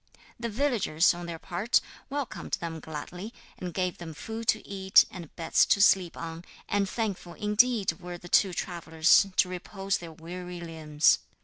The villagers, on their part, welcomed them gladly, and gave them food to eat and beds to sleep on, and thankful indeed were the two travellers to repose their weary limbs.